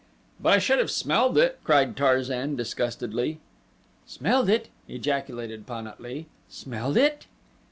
"But I should have smelled it," cried Tarzan, disgustedly. "Smelled it!" ejaculated Pan at lee. "Smelled it?"